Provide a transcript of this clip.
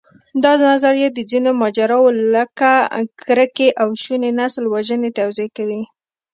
دا نظریه د ځینو ماجراوو، لکه کرکې او شونې نسلوژنې توضیح کوي.